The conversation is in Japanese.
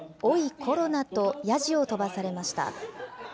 コロナ！とやじを飛ばされました。